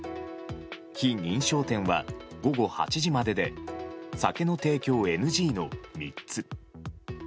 非認証店は午後８時までで酒の提供ＮＧの３つ。